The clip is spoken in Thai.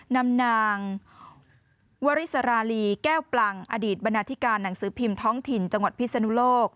นำนางวริสราลีแก้วปลังอดีตบรรณาธิการหนังสือพิมพ์ท้องถิ่นจังหวัดพิศนุโลก